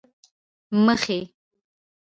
مخې،